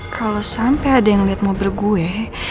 kalo sampe ada yang liat mobil gue